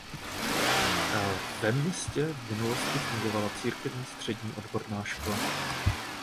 Ve městě v minulosti fungovala Církevní střední odborná škola.